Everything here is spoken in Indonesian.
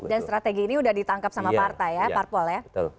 strategi ini udah ditangkap sama partai ya parpol ya